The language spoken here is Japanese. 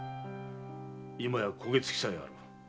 今や焦げ付きさえある。